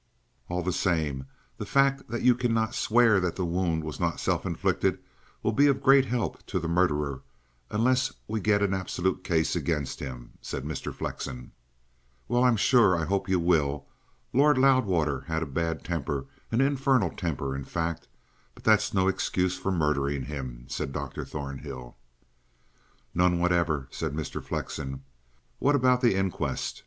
"All the same, the fact that you cannot swear that the wound was not self inflicted will be of great help to the murderer, unless we get an absolute case against him," said Mr. Flexen. "Well, I'm sure I hope you will. Lord Loudwater had a bad temper an infernal temper, in fact. But that's no excuse for murdering him," said Dr. Thornhill. "None whatever," said Mr. Flexen. "What about the inquest?